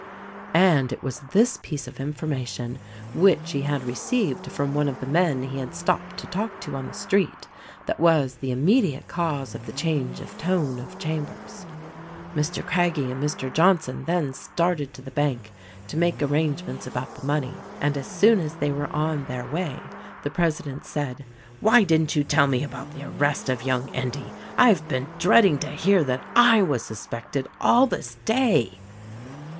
And it was this piece of information, which he had received from one of the men he had stopped to talk to on the street, that was the immediate cause of the change of tone of Chambers. Mr. Craggie and Mr. Johnson then started to the bank to make arrangements about the money and as soon as they were on their way the president said, "Why didn't you tell me about the arrest of young Endy — I've been dreading to hear that I was suspected, all this day."